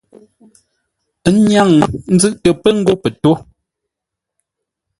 Ə́ nyáŋ nzʉ́ʼtə pə ngó pə tó.